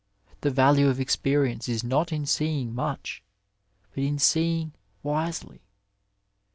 The value of experience is not in seeing much, but in seeing wisely.